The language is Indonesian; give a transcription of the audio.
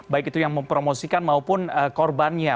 baik itu yang mempromosikan maupun korbannya